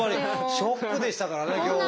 ショックでしたからね今日は。